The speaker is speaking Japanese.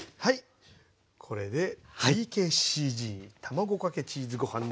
これでＴＫＣＧ卵かけチーズご飯できました。